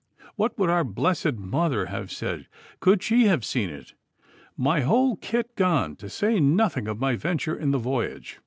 What would our blessed mother have said could she have seen it? My whole kit gone, to say nothing of my venture in the voyage!